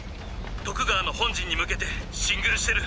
徳川の本陣に向けて進軍してる！」。